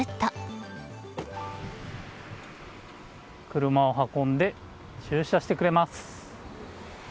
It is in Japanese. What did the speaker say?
車を運んで、駐車してくれます。